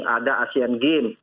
ada asian games